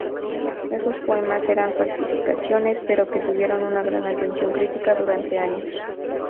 Esos poemas eran falsificaciones, pero que tuvieron una gran atención critica durante años.